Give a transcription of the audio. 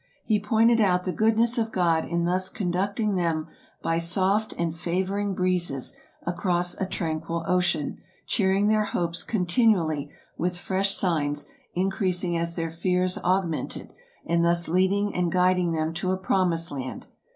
He pointed out the goodness of God in thus conducting them by soft and favor ing breezes across a tranquil ocean, cheering their hopes continually with fresh signs, increasing as their fears aug mented, and thus leading and guiding them to a promised land.